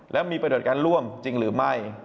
แล้วมีประโยชน์การร่วมจริงหรือไม่